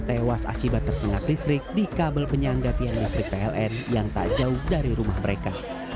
tewas akibat tersengat listrik di kabel penyangga tian listrik pln yang tak jauh dari rumah mereka